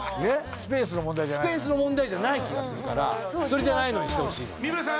スペースの問題じゃないスペースの問題じゃない気がするからそれじゃないのにしてほしいの三村さん！